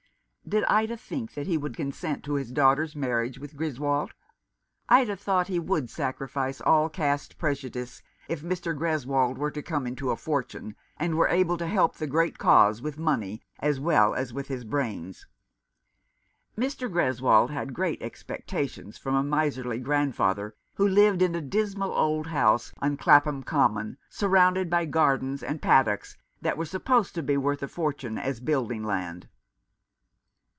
Did Ida think that he would consent to his daughter's marriage with Greswold ? Ida thought he would sacrifice all caste prejudice if Mr. Gres wold were to come into a fortune, and were able to help the great cause with money as well as with his brains. Mr. Greswold had great expectations from a miserly grandfather, who lived in a dismal old house on Clapham Common, surrounded by gardens and paddocks that were supposed to be worth a fortune as building land.